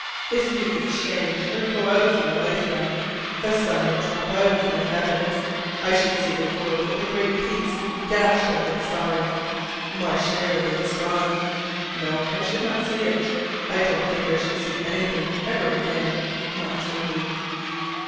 If you could change or go out of my life now, the sun would drop out of my heavens: I should see the world with a great piece gashed out of its side, my share of it gone. No, I should not see it, I don't think I should see anything ever again, not truly.